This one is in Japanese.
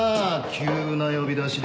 急な呼び出しで。